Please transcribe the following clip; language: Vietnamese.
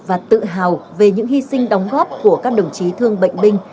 và tự hào về những hy sinh đóng góp của các đồng chí thương bệnh binh